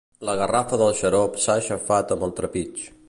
La garrafa del xarop s'ha aixafat amb el trepig.